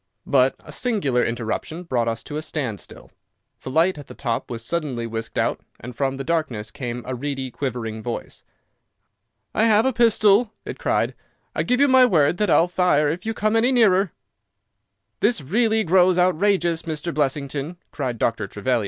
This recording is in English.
But a singular interruption brought us to a standstill. The light at the top was suddenly whisked out, and from the darkness came a reedy, quivering voice. "I have a pistol," it cried. "I give you my word that I'll fire if you come any nearer." "This really grows outrageous, Mr. Blessington," cried Dr. Trevelyan.